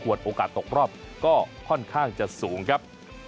ก็ค่อนสมควรโอกาสตกรอบก็ค่อนข้างจะสูงครับ